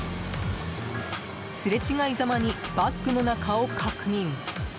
すれ違いざまにバッグの中を確認。